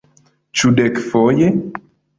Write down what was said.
Ĉu dekfoje?